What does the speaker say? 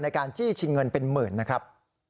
การจี้ชิงเงินเป็นหมื่นนะครับ